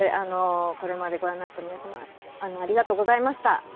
これまでご覧になってくださった皆様、ありがとうございました。